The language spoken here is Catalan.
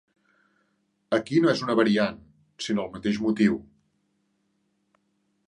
Aquí no és una variant, sinó el mateix motiu.